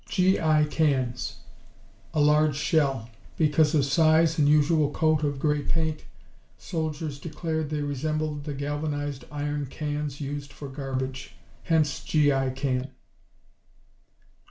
G.I. cans A large shell. Because of size and usual coat of grey paint, soldiers declared they resembled the galvanized iron cans used for garbage. Hence, G.I. Can.